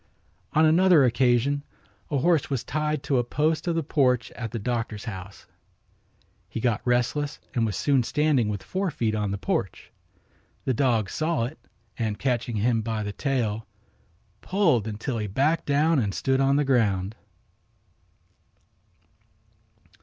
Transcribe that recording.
On another occasion a horse was tied to a post of the porch at the doctor's house. He got restless and was soon standing with fore feet on the porch. The dog saw it and, catching him by the tail, pulled until he backed down and stood on the ground.